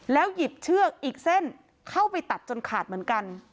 หยิบเชือกอีกเส้นเข้าไปตัดจนขาดเหมือนกัน